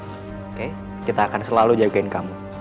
oke kita akan selalu jagain kamu